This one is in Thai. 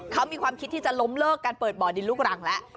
เขามีความคิดที่จะล้มเลิกการเปิดบ่อดินลูกรังแล้ว